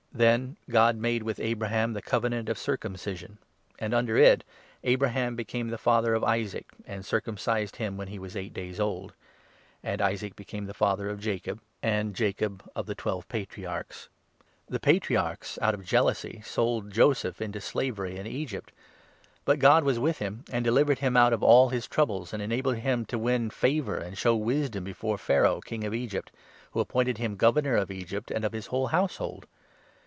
'' Then God made with 8 Abraham the Covenant of Circumcision ; and under it Abraham became the father of Isaac, and circumcised him when he was eight days old ; and Isaac became the father of Jacob ; and * P§. at). 3. * Gen. ia. i. • Deut. a. 5 ; Gen. 17. 8. *— 7 Gen. 15. 13—14. * Exod. 3. 13. 8 Gen. 7. 10; ai. 4. THE ACTS, 7. 225 Jacob of the Twelve Patriarchs. The Patriarchs, out 9 of jealousy, sold Joseph into slavery in Egypt ; but God was with him, and delivered him out of all his troubles, and 10 enabled him to win favour and show wisdom before Pharaoh, King of Egypt, who appointed him Governor of Egypt and of his whole household.